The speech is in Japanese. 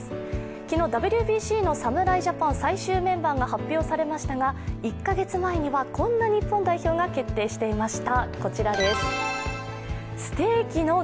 昨日、ＷＢＣの侍ジャパン最終メンバーが発表されましたが、１か月前にはこんな日本代表が決定していました。